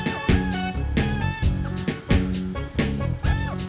aku mau jalan sekarang